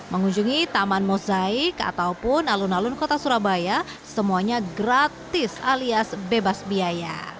mengunjungi taman mosaik ataupun alun alun kota surabaya semuanya gratis alias bebas biaya